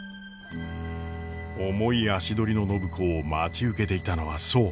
重い足取りの暢子を待ち受けていたのはそう！